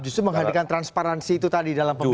justru menghadirkan transparansi itu tadi dalam pembahasan